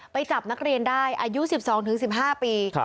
จับนักเรียนได้อายุ๑๒๑๕ปี